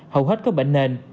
hầu hết có bệnh nền